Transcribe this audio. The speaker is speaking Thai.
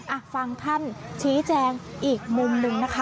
อ่ะฟังท่านชี้แจงอีกมุมหนึ่งนะคะ